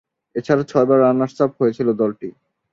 এছাড়া, ছয়বার রানার্স-আপ হয়েছিল দলটি।